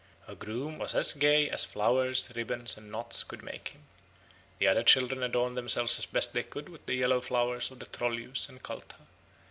Her groom was as gay as flowers, ribbons, and knots could make him. The other children adorned themselves as best they could with the yellow flowers of the trollius and caltha.